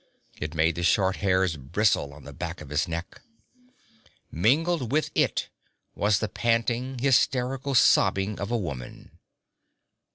It made the short hairs bristle on the back of his neck. Mingled with it was the panting, hysterical sobbing of a woman.